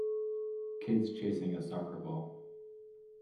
Kids chasing a soccer ball.